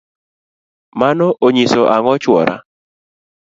mano onyiso ang'o chuora?